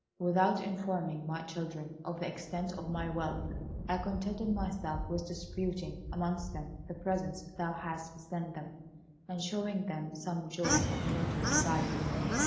"Without informing my children of the extent of my wealth, I contented myself with distributing amongst them the presents thou hadst sent them, and showing them some jewels of moderate value.